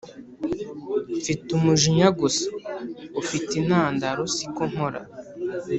mfite umujinya gusa ufite intandaro siko mpora,